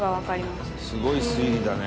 「すごい推理だね」